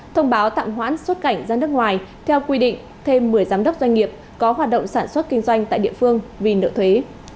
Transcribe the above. thông báo tạm hoãn xuất cảnh ra nước ngoài theo quy định thêm một mươi giám đốc doanh nghiệp có hoạt động sản xuất kinh doanh tại địa phương vì nợ thuế